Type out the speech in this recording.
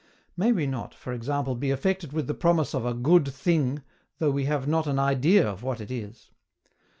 May we not, for example, be affected with the promise of a GOOD THING, though we have not an idea of what it is?